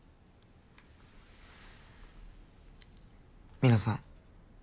皆さん。